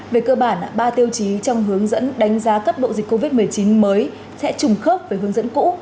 về cơ bản ba tiêu chí trong hướng dẫn đánh giá cấp độ dịch covid một mươi chín mới sẽ trùng khớp với hướng dẫn cũ